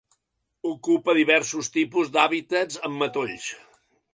Ocupa diversos tipus d'hàbitats amb matolls.